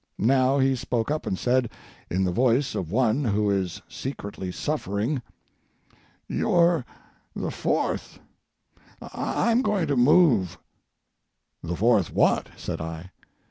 Now he spoke up and said, in the voice of one who is secretly suffering, "You're the fourth—I'm going to move." "The fourth what?" said I.